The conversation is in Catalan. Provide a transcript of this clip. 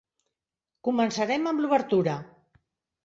Començarem amb l'obertura.